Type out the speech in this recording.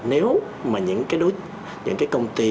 nếu mà những cái công ty